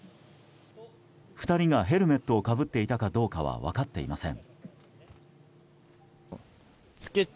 ２人がヘルメットをかぶっていたかどうかは分かっていません。